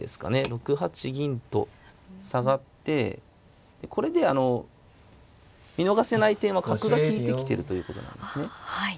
６八銀と下がってこれであの見逃せない点は角が利いてきてるということなんですね。